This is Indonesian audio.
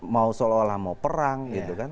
mau seolah olah mau perang gitu kan